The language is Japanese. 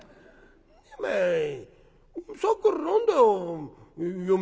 「何お前さっきから何だよ？